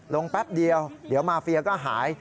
แป๊บเดียวเดี๋ยวมาเฟียก็หาย